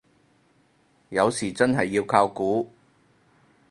有時真係要靠估